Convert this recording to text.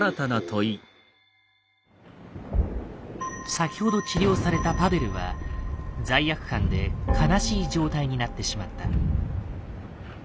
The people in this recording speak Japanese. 先ほど治療されたパヴェルは罪悪感で「悲しい」状態になってしまった。